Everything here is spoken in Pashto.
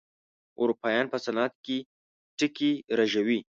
اروپايان په صنعت کې ټکي رژوي.